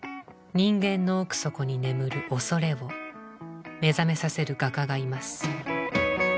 人間の奥底に眠る恐れを目覚めさせる画家がいます。